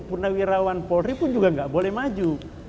purnawirawan polri pun juga nggak boleh maju